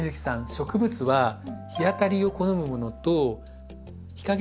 植物は日当たりを好むものと日陰でも育つもの